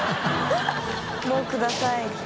「もうください」って。